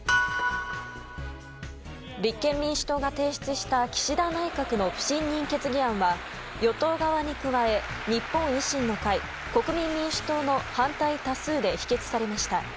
立憲民主党が提出した岸田内閣の不信任決議案は与党側に加え日本維新の会国民民主党の反対多数で否決されました。